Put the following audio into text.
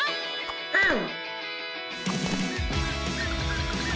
うん！